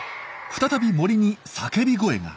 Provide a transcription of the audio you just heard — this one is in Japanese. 再び森に叫び声が。